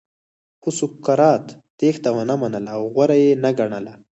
خو سقراط تېښته ونه منله او غوره یې نه ګڼله.